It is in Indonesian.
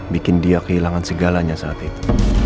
bikin dia kehilangan segalanya saat itu